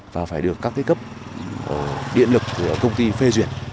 và phải được các cấp điện lực của công ty phê duyệt